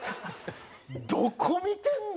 どこ見てんの！？